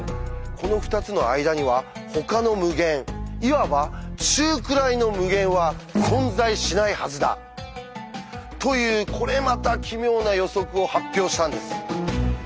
この２つの間にはほかの無限いわば「中くらいの無限」は存在しないはずだ！というこれまた奇妙な予測を発表したんです。